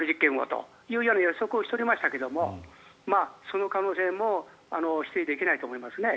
そういうような予測をしておりましたがその可能性も否定できないと思いますね。